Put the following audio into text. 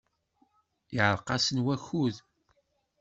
Yeɛreq-asen wakud.